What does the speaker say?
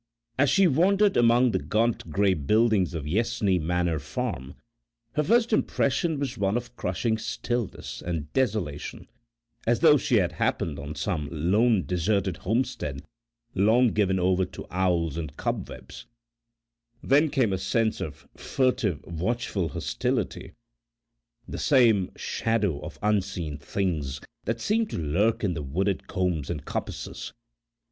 As she wandered among the gaunt grey buildings of Yessney manor farm her first impression was one of crushing stillness and desolation, as though she had happened on some lone deserted homestead long given over to owls and cobwebs; then came a sense of furtive watchful hostility, the same shadow of unseen things that seemed to lurk in the wooded combes and coppices.